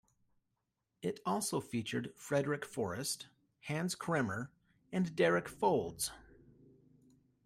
It also featured Frederic Forrest, Hans Kremer and Derek Fowlds.